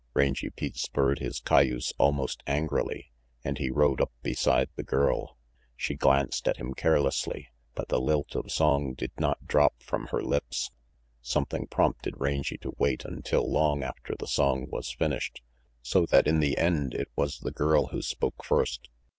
Rangy Pete spurred his cayuse almost angrily, and he rode up beside the girl. She glanced at him care lessly, but the lilt of song did not drop from her lips. RANGY PETE SIS Something prompted Rangy to wait until long after the song was finished, so that in the end it was the girl who spoke first.